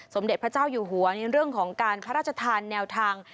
สมเด็จพระเจ้าอยู่หัวในเรื่องของการพระราชทานแนวทาง